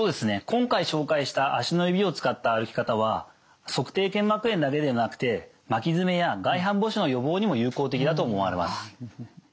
今回紹介した足の指を使った歩き方は足底腱膜炎だけでなくて巻き爪や外反母趾の予防にも有効的だと思われます。